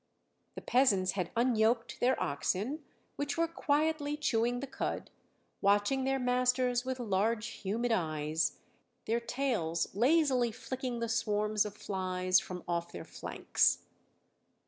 The peasants had unyoked their oxen, which were quietly chewing the cud, watching their masters with large humid eyes, their tails lazily flicking the swarms of flies from off their flanks.